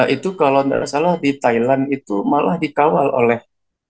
itu kalau tidak salah di thailand itu malah dikawal oleh